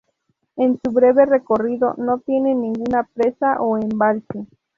En su breve recorrido no tiene ninguna presa o embalse.